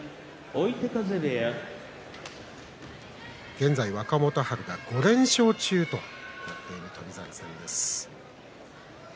現在、若元春が５連勝中という翔猿戦です。